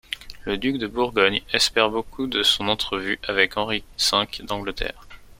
Le duc de Bourgogne espère beaucoup de son entrevue avec Henri V d'Angleterre.